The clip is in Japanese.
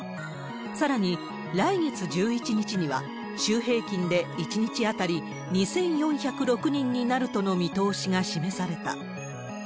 さらに来月１１日には、週平均で１日当たり２４０６人になるとの見通しが示された。